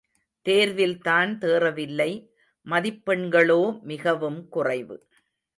தேர்வில்தான் தேறவில்லை, மதிப்பெண்களோ மிகவும் குறைவு.